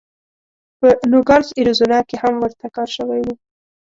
په نوګالس اریزونا کې هم ورته کار شوی و.